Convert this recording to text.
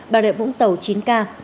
bà đệ vũng tàu chín ca